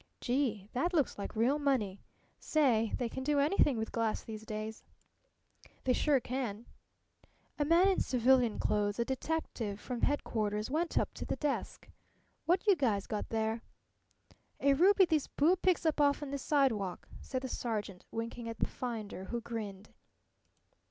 "Gee! That looks like real money. Say, they can do anything with glass these days." "They sure can." A man in civilian clothes a detective from headquarters went up to the desk. "What you guys got there?" "A ruby this boob picks up off'n the sidewalk," said the sergeant, winking at the finder, who grinned.